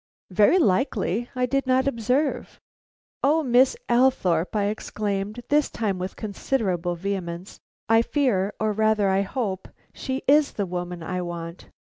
"Very likely; I did not observe." "O Miss Althorpe!" I exclaimed, this time with considerable vehemence, "I fear, or rather I hope, she is the woman I want."